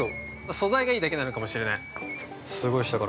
◆素材がいいだけなのかもしれない。